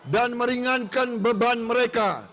dan meringankan beban mereka